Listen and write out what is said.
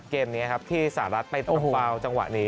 เกมนี้ที่สหรัฐไปเป็นฟาวจังหวะนี้